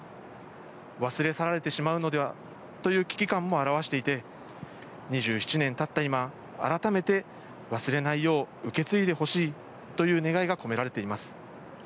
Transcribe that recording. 忘れ去られてしまうのではという危機感も表していて、２７年経った今、改めて忘れないよう、受け継いでほしいという願いが込められています。